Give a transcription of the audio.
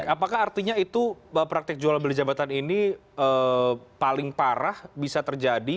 apakah artinya itu praktik jual beli jabatan ini paling parah bisa terjadi